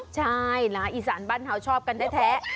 ใช่ไอ้สารบ้านเท้าชอบกันได้แท้